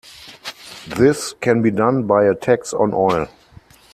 This can be done by a tax on oil.